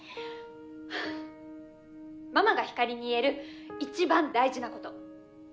ママがひかりに言える一番大事なこと。